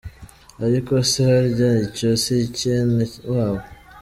Ariko se harya icyo si icyene wabo?